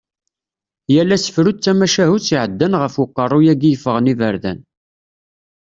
Yal asefru d tamacahutt iɛeddan ɣef uqerru-yagi yeffɣen iberdan.